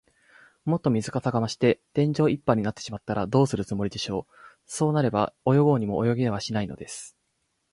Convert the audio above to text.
もっと水かさが増して、天井いっぱいになってしまったら、どうするつもりでしょう。そうなれば、泳ごうにも泳げはしないのです。